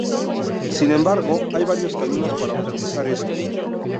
Sin embargo, hay varios caminos para optimizar esto.